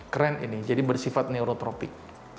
keren ini jadi bersifat neurotropik